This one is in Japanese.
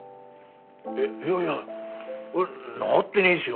えっいやいやこれ直ってねえしよ